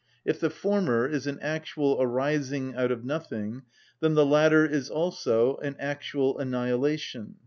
If the former is an actual arising out of nothing, then the latter is also an actual annihilation.